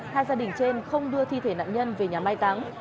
hai gia đình trên không đưa thi thể nạn nhân về nhà mai táng